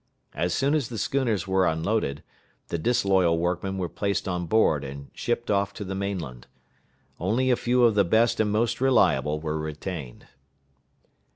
As soon as the schooners were unloaded, the disloyal workmen were placed on board and shipped off to the main land. Only a few of the best and most reliable were retained.